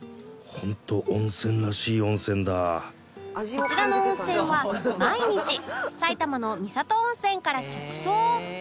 こちらの温泉は毎日埼玉の三郷温泉から直送